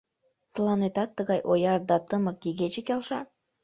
— Тыланетат тыгай ояр да тымык игече келша?